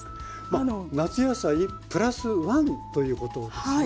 夏野菜＋１ということですよね？